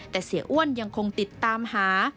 แต่เสียอ้วนยังคงติดตามหา